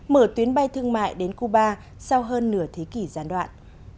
mở tuyến bay thương mại đến cuba sau hơn nửa thế kỷ gián đoạn